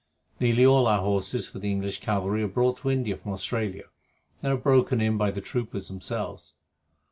Nearly all our horses for the English cavalry are brought to India from Australia, and are broken in by the troopers themselves.